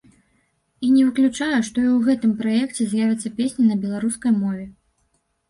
І не выключаю, што і ў гэтым праекце з'явяцца песні на беларускай мове.